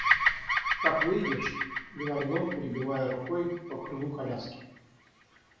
Как выедешь... — говорил он, перебивая рукой по крылу коляски.